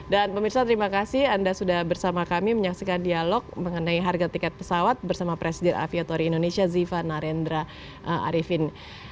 pemirsa terima kasih anda sudah bersama kami menyaksikan dialog mengenai harga tiket pesawat bersama presidir aviatori indonesia ziva narendra arifin